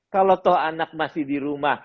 kalau toh anak masih di rumah